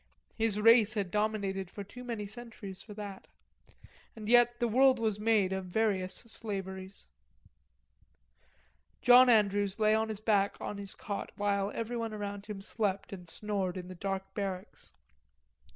His race had dominated for too many centuries for that. And yet the world was made of various slaveries. John Andrews lay on his back on his cot while everyone about him slept and snored in the dark barracks.